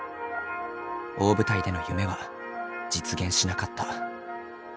大舞台での夢は実現しなかった。